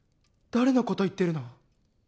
誰のこと言ってるの？